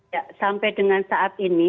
ya sampai dengan saat ini